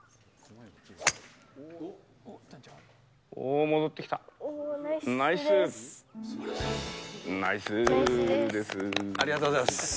おー、ありがとうございます。